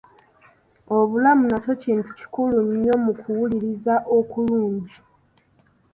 Obulamu nakyo kintu kikulu nnyo mu kuwuliriza okulungi.